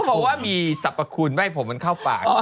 บอกว่ามีสรรพคุณไม่ให้ผมมันเข้าปาก